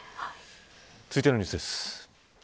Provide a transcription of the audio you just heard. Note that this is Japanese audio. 続いてのニュースです。